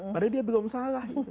padahal dia belum salah